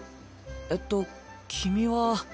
えっと君は。